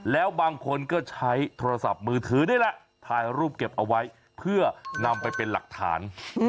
แล้วบางคนก็ใช้โทรศัพท์มือถือนี่แหละถ่ายรูปเก็บเอาไว้เพื่อนำไปเป็นหลักฐาน